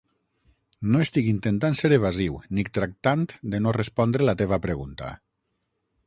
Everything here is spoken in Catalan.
No estic intentant ser evasiu ni tractant de no respondre la teva pregunta.